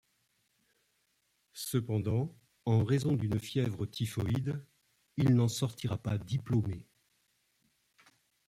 Cependant, en raison d'une fièvre typhoïde, il n'en sortira pas diplômé.